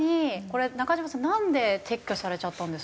これ中島さんなんで撤去されちゃったんですか？